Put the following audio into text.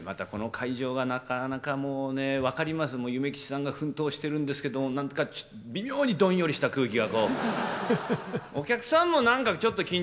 またこの会場が、なかなか、もうね、分かります、が奮闘してるんですけども、なんかちょっと微妙にどんよりした空気が。